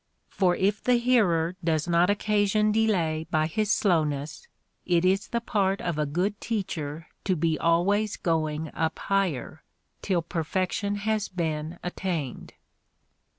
For if the hearer does not occasion delay by his slowness, it is the part of a good teacher to be always going up higher,^ till perfection has been attained.